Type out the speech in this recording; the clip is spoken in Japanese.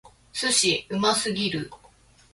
寿司！うますぎる！